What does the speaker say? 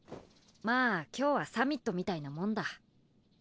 まあ今日はサミットみたいなもんだ。